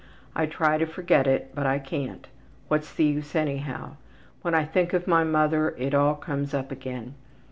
I try to forget it, but I can't. What's the use anyhow? When I think of my mother it all comes up again.